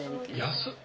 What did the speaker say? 安っ！